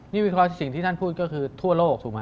นี่พิคุณครับสิ่งที่ท่านพูดคือทั่วโลกถูกมั้ย